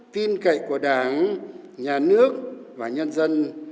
tin cậy của đảng nhà nước và nhân dân